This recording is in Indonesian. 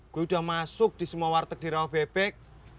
gue udah masuk di semua warteg di rawabebek